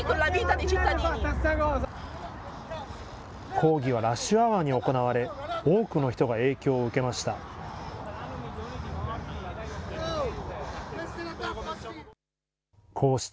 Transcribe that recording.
抗議はラッシュアワーに行われ、多くの人が影響を受けました。